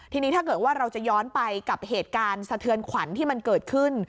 ทีนี้ถ้าเกิดว่าเราจะย้อนไปกับเหตุการณ์สะเทือนขวัญที่มันเกิดขึ้น